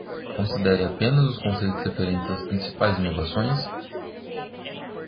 Considere apenas os conceitos referentes às principais inovações?